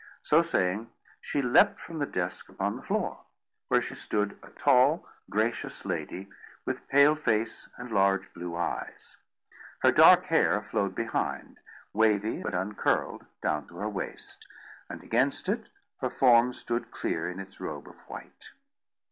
So saying, she leapt from the desk upon the floor, where she stood a tall, gracious lady, with pale face and large blue eyes. Her dark hair flowed behind, wavy but uncurled, down to her waist, and against it her form stood clear in its robe of white.